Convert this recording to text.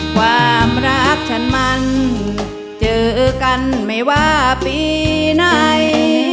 ความรักฉันมันเจอกันไม่ว่าปีไหน